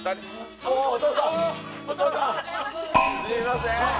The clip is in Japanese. すみません。